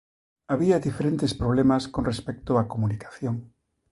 Había diferentes problemas con respecto á comunicación.